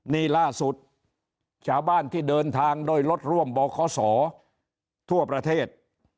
นี่ล่าสุดชาวบ้านที่เดินทางด้วยรถร่วมบขทั่วประเทศ